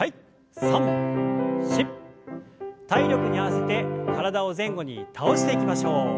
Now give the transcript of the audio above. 体力に合わせて体を前後に倒していきましょう。